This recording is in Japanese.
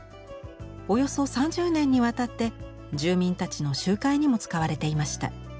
およそ３０年にわたって住民たちの集会にも使われていました。